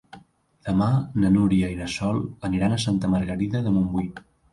Demà na Núria i na Sol aniran a Santa Margarida de Montbui.